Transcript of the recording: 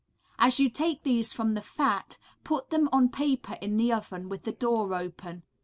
As you take these from the fat, put them on paper in the oven with the door open.